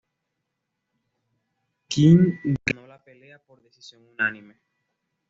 Kim ganó la pelea por decisión unánime.